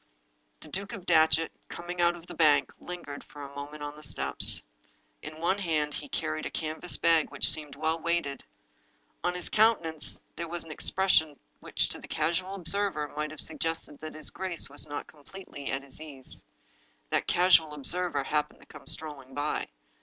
II The Duke of Datchet, coming out of the bank, lingered for a moment on the steps. In one hand he carried a canvas bag which seemed well weighted. On his countenance there was an expression which to a casual observer might have suggested that his grace was not completely at his ease. That casual observer happened to come strolling by.